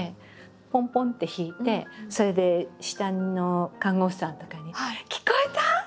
ぽんぽんって弾いてそれで下の看護婦さんとかに「聞こえた？」とか。